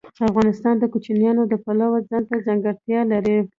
افغانستان د کوچیان د پلوه ځانته ځانګړتیا لري.